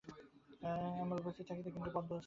আমরা উপস্থিত থাকিতে তিনি পদ্মহস্তে বেড়ি ধরিবেন কেন?